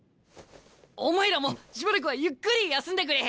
お前らもしばらくはゆっくり休んでくれ。